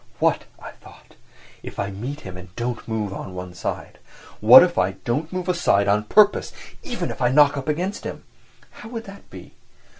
"What," I thought, "if I meet him and don't move on one side? What if I don't move aside on purpose, even if I knock up against him? How would that be?"